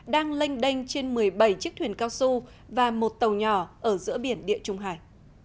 đang lênh đênh trên một mươi bảy chiếc thuyền cao su và một tàu nhỏ ở giữa biển địa trung hải